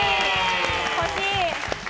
欲しい！